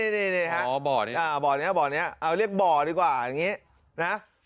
นี่บ่อนี้เอาเรียกบ่อดีกว่าอย่างนี้